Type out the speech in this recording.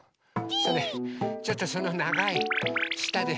それちょっとそのながいしたで。